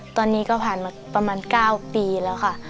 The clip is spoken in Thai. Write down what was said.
ตอนนี้ก็ผ่านมาประมาณ๙ปีแล้วค่ะ